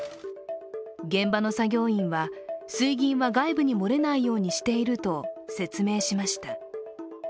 現場の作業員は、水銀は外部に漏れないようにしていると説明しました。